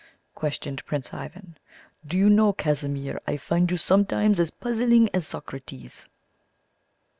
questioned Prince Ivan. "Do you know, Casimir, I find you sometimes as puzzling as Socrates."